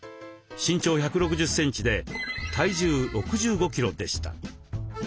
身長１６０センチで体重６５キロでした。